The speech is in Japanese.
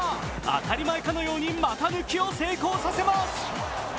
当たり前かのように股抜きを成功させます。